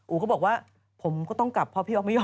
ก็บอกว่าผมก็ต้องกลับเพราะพี่ออกไม่ยอม